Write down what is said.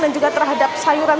dan juga terhadap sayuran